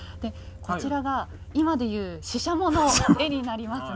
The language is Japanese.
こちらが今でいうシシャモの絵になりますね。